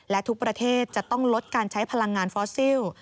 และทุกประเทศจะต้องลดการใช้พลังงานฟอสซิล